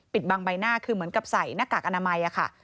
บางใบหน้าคือเหมือนกับใส่หน้ากากอนามัยค่ะ